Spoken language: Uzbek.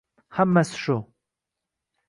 Hammasi shu